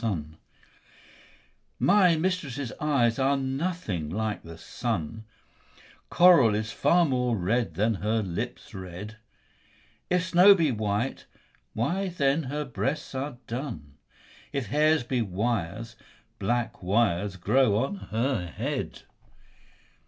CXXX My mistress' eyes are nothing like the sun; Coral is far more red, than her lips red: If snow be white, why then her breasts are dun; If hairs be wires, black wires grow on her head.